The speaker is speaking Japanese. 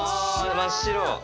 真っ白。